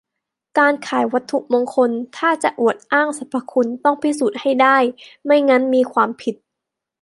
- การขายวัตถุมงคล ถ้าจะอวดอ้างสรรพคุณ ต้องพิสูจน์ให้ได้ ไม่งั้นมีความผิด